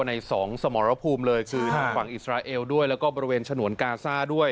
ในสองสมรภูมิเลยคือทางฝั่งอิสราเอลด้วยแล้วก็บริเวณฉนวนกาซ่าด้วย